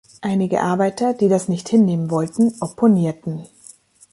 Einige Arbeiter, die das nicht hinnehmen wollten, opponierten.